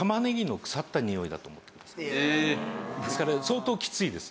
えーっ！ですから相当きついです。